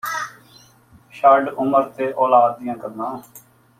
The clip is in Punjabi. ਛੱਡ ਉਮਰ ਅਤੇ ਔਲਾਦ ਦੀਆਂ ਗੱਲਾਂ